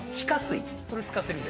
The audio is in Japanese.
それ使ってるんです。